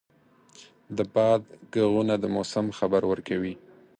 د باد ږغونه د موسم خبر ورکوي.